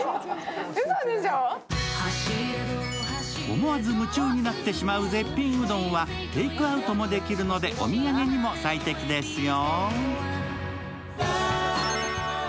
思わず夢中になってしまう絶品うどんはテイクアウトもできるのでお土産にも最適ですよ。